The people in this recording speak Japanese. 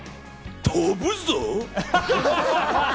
飛ぶぞ！